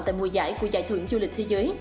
tại mùa giải của giải thưởng du lịch thế giới